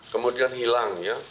kemudian hilang ya